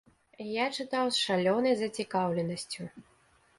Я чытаў з шалёнай зацікаўленасцю.